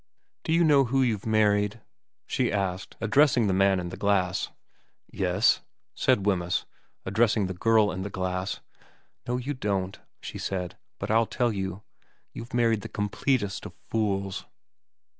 ' Do you know who you've married ?' she asked, ad dressing the man in the glass. * Yes,' said Wemyss, addressing the girl in the glass. ' No you don't,' she said. ' But I'll tell you. You've married the completest of fools.'